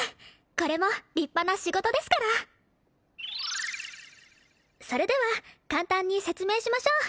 これも立派な仕事ですからそれでは簡単に説明しましょう